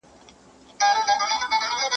د استاد آثار د پوهنتونونو په کچه د څېړنې وړ دي.